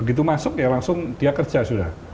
begitu masuk ya langsung dia kerja sudah